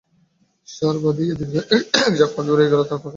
সার বাঁধিয়া দীর্ঘ একঝাঁক পাখি উড়িয়া গেল, তাহাদেরই পাখার শব্দ শুনিয়াছিলাম।